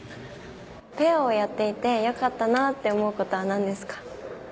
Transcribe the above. ペアをやっていて良かったなと思うことは何ですか？